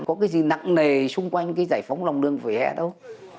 có gì nặng nề xung quanh giải phóng lòng đường vừa hẻ đâu